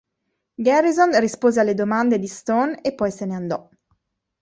Garrison rispose alle domande di Stone e poi se ne andò.